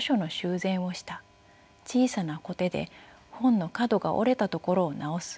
小さなこてで本の角が折れたところを直す。